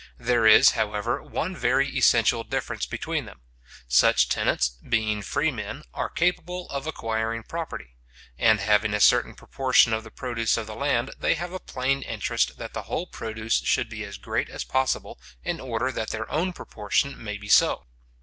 There is, however, one very essential difference between them. Such tenants, being freemen, are capable of acquiring property; and having a certain proportion of the produce of the land, they have a plain interest that the whole produce should be as great as possible, in order that their own proportion may be so.